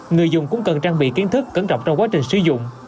người dùng cũng cần trang bị kiến thức cẩn trọng trong quá trình sử dụng